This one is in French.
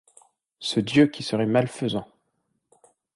Ce Dieu qui serait malfaisant !